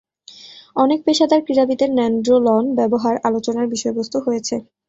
অনেক পেশাদার ক্রীড়াবিদের ন্যান্ড্রোলন ব্যবহার আলোচনার বিষয়বস্তু হয়েছে।